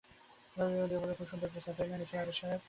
নদিয়া বললেন, খুব সুন্দর জোছনা, তাই না নিসার আলি সাহেব?